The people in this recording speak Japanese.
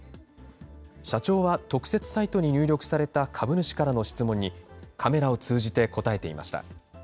社長は特設サイトに入力された株主からの質問に、カメラを通じて答えていました。